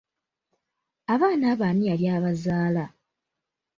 Abaana abo ani yali abazaala?